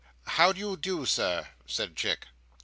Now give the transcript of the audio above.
"How do you do, Sir?" said Chick.